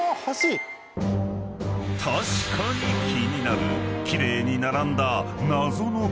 ［確かに気になる奇麗に並んだ］